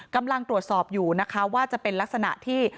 กำลังตรวจสอบอยู่นะคะว่าจะเป็นลักษณะที่